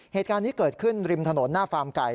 เหตุการณ์นี้เกิดขึ้นริมถนนหน้าฟาร์มไก่